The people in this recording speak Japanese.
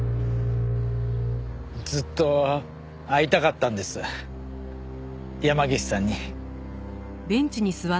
ずっと会いたかったんです山岸さんに。